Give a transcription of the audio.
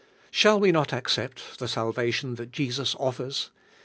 Shall we not accept the salvation that Jesus offers?